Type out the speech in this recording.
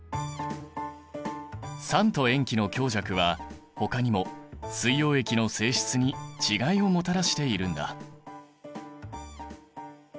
酸と塩基の強弱はほかにも水溶液の性質に違いをもたらしているんだ。